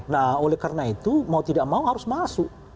nah oleh karena itu mau tidak mau harus masuk